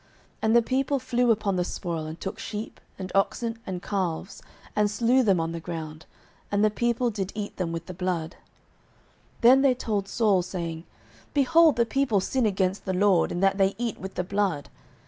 09:014:032 And the people flew upon the spoil, and took sheep, and oxen, and calves, and slew them on the ground: and the people did eat them with the blood. 09:014:033 Then they told Saul, saying, Behold, the people sin against the LORD, in that they eat with the blood.